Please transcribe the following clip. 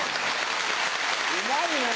うまいね。